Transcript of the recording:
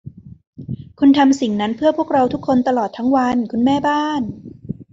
คุณทำสิ่งนั้นเพื่อพวกเราทุกคนตลอดทั้งวัน คุณแม่บ้าน